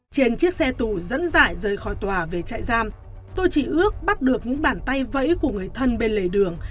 trên chiếc xe tù dẫn dải rời khỏi tòa về trại giam tôi chỉ ước bắt được những bàn tay vẫy của người thân bên lề đường